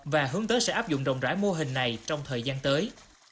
và hướng tới sẽ áp dụng rộng rãi mô hình này trong thời gian tới